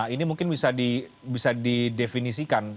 ini mungkin bisa didefinisikan